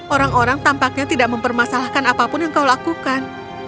orang orang tampaknya tidak mempermasalahkan apapun yang kau lakukan